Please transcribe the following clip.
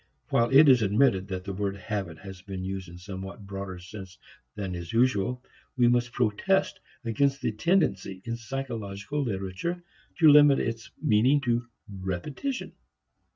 While it is admitted that the word habit has been used in a somewhat broader sense than is usual, we must protest against the tendency in psychological literature to limit its meaning to repetition.